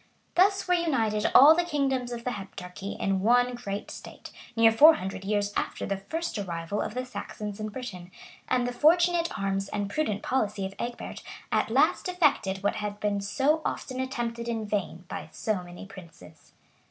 Thus were united all the kingdoms of the Heptarchy in one great state, near four hundred years after the first arrival of the Saxons in Britain; and the fortunate arms and prudent policy of Egbert at last effected what had been so often attempted in vain by so many princes.